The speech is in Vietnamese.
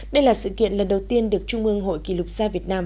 đây là sự kiện lần đầu tiên được trung ương hội kỷ lục gia việt nam